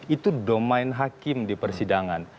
itu domain hakim di persidangan